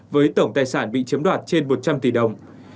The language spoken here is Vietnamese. với tổng tài sản bị chiếm đoạt trên một trăm linh tỷ đồng